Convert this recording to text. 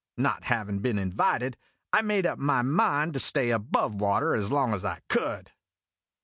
Not havin' been invited, I made up my mind to stay above water as long as I could.